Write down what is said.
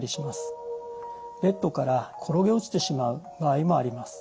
ベッドから転げ落ちてしまう場合もあります。